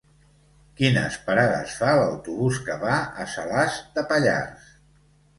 Quines parades fa l'autobús que va a Salàs de Pallars?